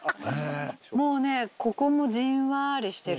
もうねここもじんわりしてる。